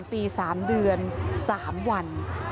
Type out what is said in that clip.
ปี๓เดือน๓วัน